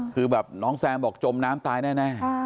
คือแบบน้องแซมบอกจมน้ำตายแน่